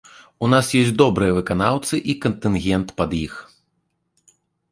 У нас ёсць добрыя выканаўцы і кантынгент пад іх.